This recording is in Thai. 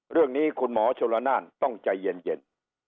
เรื่องนี้คุณหมอชนละนานต้องใจเย็น